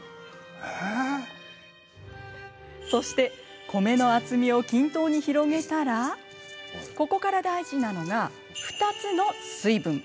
そして米の厚みを均等に広げたらここから大事なのが２つの水分。